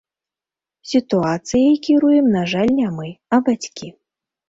Сітуацыяй кіруем, на жаль, не мы, а бацькі.